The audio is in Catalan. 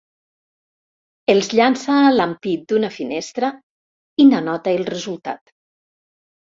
Els llança a l'ampit d'una finestra i n'anota el resultat.